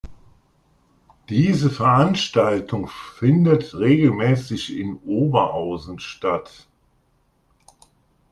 Diese Veranstaltung findet regelmäßig in Oberaußem statt.